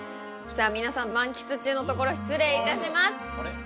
皆さん満喫中のところ失礼いたします。